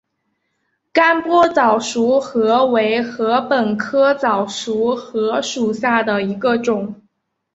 甘波早熟禾为禾本科早熟禾属下的一个种。